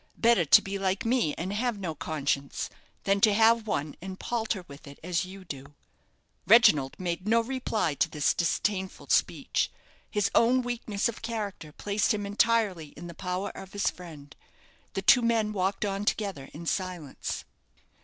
Better to be like me and have no conscience, than to have one and palter with it as you do." Reginald made no reply to this disdainful speech. His own weakness of character placed him entirely in the power of his friend. The two men walked on together in silence.